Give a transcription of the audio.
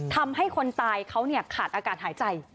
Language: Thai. ทำให้คนตายเขาขาดอากาศหายใจ